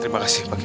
terima kasih pak k